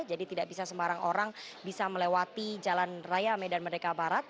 jadi tidak bisa sembarang orang bisa melewati jalan raya medan merdeka barat